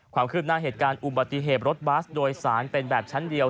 ความคืบหน้าเหตุการณ์อุบัติเหตุรถบัสโดยสารเป็นแบบชั้นเดียว